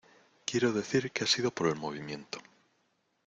quiero decir que ha sido por el movimiento.